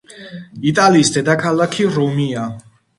იტალიის დედაქალაქი რომია